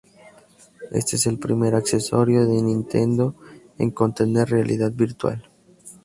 Este es el primer accesorio de Nintendo en contener realidad virtual.